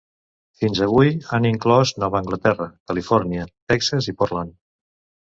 Fins avui, han inclòs Nova Anglaterra, Califòrnia, Texas i Portland.